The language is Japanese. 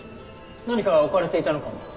何か置かれていたのかも。